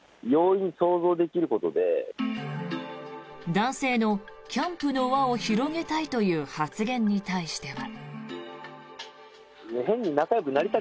男性のキャンプの輪を広げたいという発言に対しては。